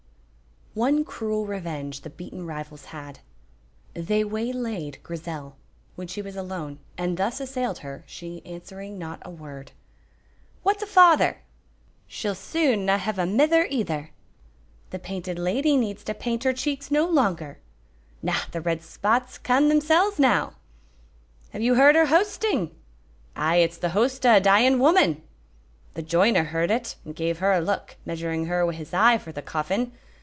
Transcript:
One cruel revenge the beaten rivals had. They waylaid Grizel, when she was alone, and thus assailed her, she answering not a word. "What's a father?" "She'll soon no have a mither either!" "The Painted Lady needs to paint her cheeks no longer!" "Na, the red spots comes themsels now." "Have you heard her hoasting?" "Ay, it's the hoast o' a dying woman." "The joiner heard it, and gave her a look, measuring her wi' his eye for the coffin.